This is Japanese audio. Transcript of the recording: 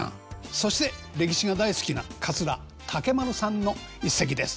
そして歴史が大好きな桂竹丸さんの一席です。